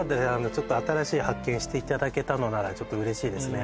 ちょっと新しい発見していただけたのならちょっと嬉しいですね